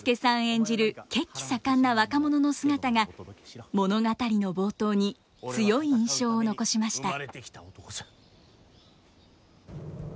演じる血気盛んな若者の姿が物語の冒頭に強い印象を残しました。